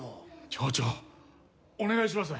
町長お願いします。